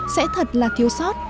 sẽ thật là thiếu sót